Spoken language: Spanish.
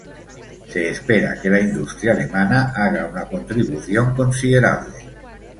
Se espera que la industria alemana haga una contribución considerable.